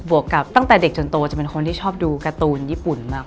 วกกับตั้งแต่เด็กจนโตจะเป็นคนที่ชอบดูการ์ตูนญี่ปุ่นมาก